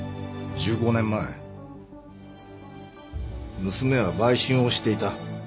１５年前娘は売春をしていた。